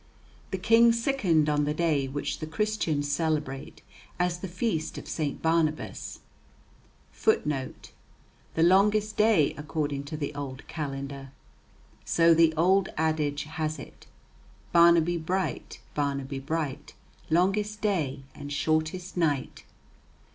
The King sickened on the day which the Christians celebrate as the Feast of St. Barnabas. [Footnote: The longest day according to the old calendar. So the old adage has it: "Barnaby bright, Barnaby bright; Longest day and shortest night."